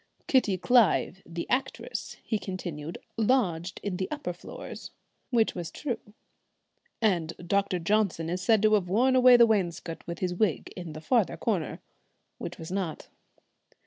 "Kitty Clive, the actress," he continued, "lodged in the upper floors," which was true "and Dr. Johnson is said to have worn away the wainscot with his wig in the further corner," which was not.